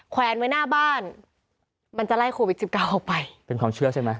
แวนไว้หน้าบ้านมันจะไล่โควิดสิบเก้าออกไปเป็นความเชื่อใช่ไหม